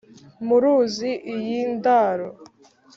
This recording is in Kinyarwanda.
muruzi iyi ndaro